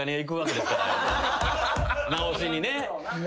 直しにね。